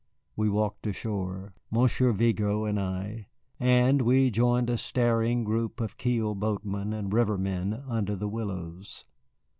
We walked ashore, Monsieur Vigo and I, and we joined a staring group of keel boatmen and river men under the willows.